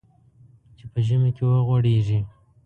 چې په ژمي کې وغوړېږي .